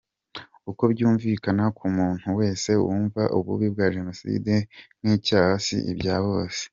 Uko byumvikana ku muntu wese wumva ububi bwa Jenoside nk’icyaha, si ibya bose.